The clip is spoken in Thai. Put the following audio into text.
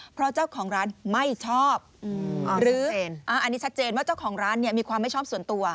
เพราะเจ้าของร้านไม่ชอบหรืออันนี้ชัดเจนว่าเจ้าของร้านเนี่ยมีความไม่ชอบส่วนตัว